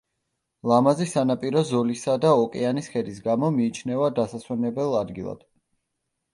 ლამაზი სანაპირო ზოლისა და ოკეანის ხედის გამო, მიიჩნევა დასასვენებელ ადგილად.